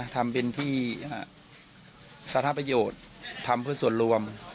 ทำเป็นที่สาธารณประโยชน์ทำเพื่อส่วนรวม